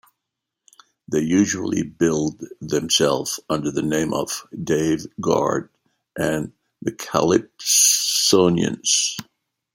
They usually billed themselves under the name of "Dave Guard and the Calypsonians".